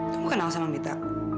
kamu kenal sama mita